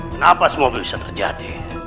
kenapa semua bisa terjadi